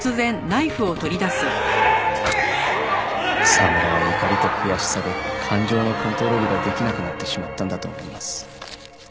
沢村は怒りと悔しさで感情のコントロールができなくなってしまったんだと思います。